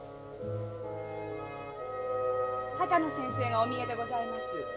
・秦野先生がお見えでございます。